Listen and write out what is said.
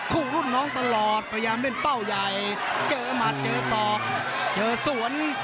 คู่รุ่นน้องตลอดพยายามเล่นเป้าใหญ่เจอหมัดเจอศอกเจอสวน